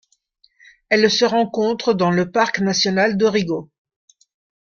Elle se rencontre dans le parc national Dorrigo.